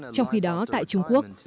trong khi đó tại trung quốc